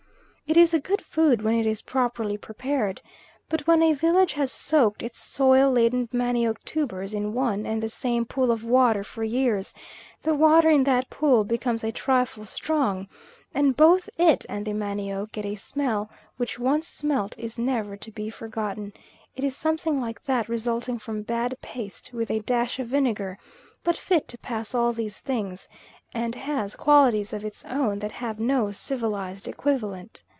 It is a good food when it is properly prepared; but when a village has soaked its soil laden manioc tubers in one and the same pool of water for years, the water in that pool becomes a trifle strong, and both it and the manioc get a smell which once smelt is never to be forgotten; it is something like that resulting from bad paste with a dash of vinegar, but fit to pass all these things, and has qualities of its own that have no civilised equivalent.